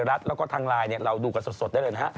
รัฐแล้วก็ทางไลน์เราดูกันสดได้เลยนะฮะ